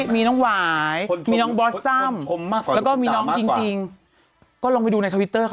มีน้องหวายมีน้องบอสซัมแล้วก็มีน้องจริงก็ลองไปดูในทวิตเตอร์ค่ะ